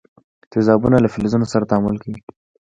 تیزابونه له فلزونو سره تعامل کوي.